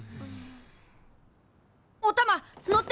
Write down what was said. おたま乗って！